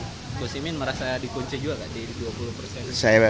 pak simin merasa dikunci juga di dua puluh persen